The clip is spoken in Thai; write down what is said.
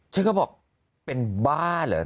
ฉันก็บอกเป็นบ้าเหรอ